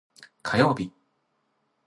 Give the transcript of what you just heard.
火曜日